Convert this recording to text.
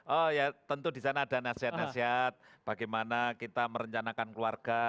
oh ya tentu di sana ada nasihat nasihat bagaimana kita merencanakan keluarga